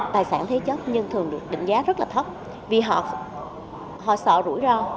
tài sản thế chất nhân thường được định giá rất là thấp vì họ sợ rủi ro